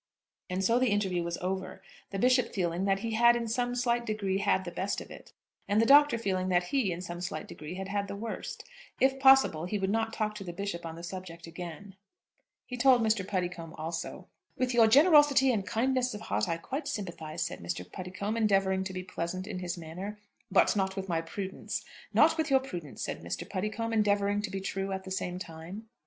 And so the interview was over, the Bishop feeling that he had in some slight degree had the best of it, and the Doctor feeling that he, in some slight degree, had had the worst. If possible, he would not talk to the Bishop on the subject again. He told Mr. Puddicombe also. "With your generosity and kindness of heart I quite sympathise," said Mr. Puddicombe, endeavouring to be pleasant in his manner. "But not with my prudence." "Not with your prudence," said Mr. Puddicombe, endeavouring to be true at the same time.